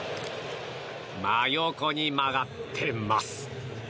真横に曲がっています。